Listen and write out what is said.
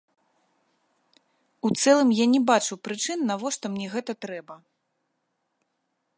У цэлым я не бачу прычын, навошта мне гэта трэба.